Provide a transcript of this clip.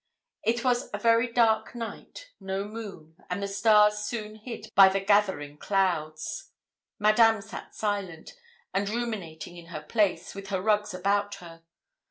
It was a very dark night no moon, and the stars soon hid by the gathering clouds. Madame sat silent, and ruminating in her place, with her rugs about her.